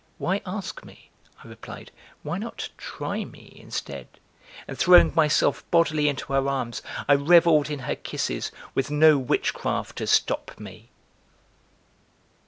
"Why ask me," I replied, "why not try me instead?" and throwing myself bodily into her arms, I revelled in her kisses with no witchcraft to stop me.